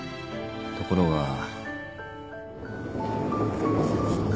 ところが。